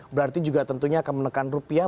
berarti juga tentunya akan menekan rupiah